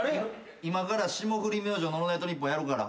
今から『霜降り明星のオールナイトニッポン』やるから。